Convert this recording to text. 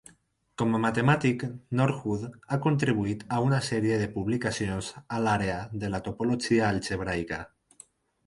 Com a matemàtic, Norwood ha contribuït a una sèrie de publicacions a l"àrea de la topologia algebraica.